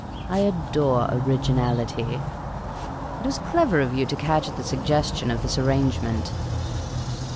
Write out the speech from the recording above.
I adore originality. It was clever of you to catch at the suggestion of this arrangement.